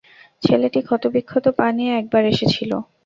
ছেলেটি ক্ষতবিক্ষত পা নিয়ে একবার এসেছিল।